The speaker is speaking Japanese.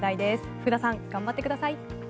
福田さん頑張ってください。